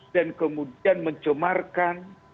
dan kemudian mencemarkan